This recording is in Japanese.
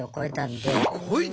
すごいな。